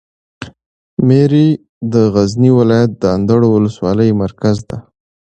میری د غزني ولایت د اندړو د ولسوالي مرکز ده.